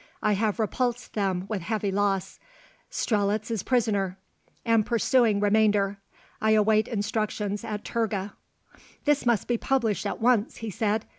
I have repulsed them with heavy loss. Strelitz is prisoner. Am pursuing remainder. I await instructions at Turga_. "This must be published at once," he said.